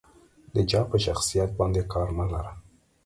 د جا په شخصيت باندې کار مه لره.